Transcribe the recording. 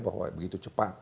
bahwa begitu cepat